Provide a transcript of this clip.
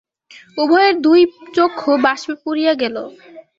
উভয়ের দুই চক্ষু বাষ্পে পূরিয়া গেল।